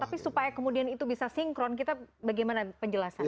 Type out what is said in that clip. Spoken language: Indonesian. tapi supaya kemudian itu bisa sinkron kita bagaimana penjelasannya